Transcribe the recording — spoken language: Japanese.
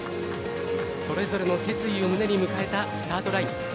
それぞれの決意を胸に迎えたスタートライン。